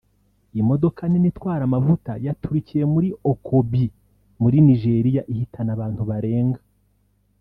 Imodoka nini itwara amavuta yaturikiye muri Okobie muri Nigeria ihitana abantu barenga…